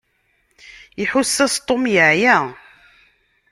Iḥuss-as Tom yeɛya.